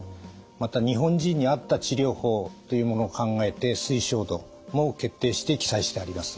また日本人に合った治療法というものを考えて推奨度も決定して記載してあります。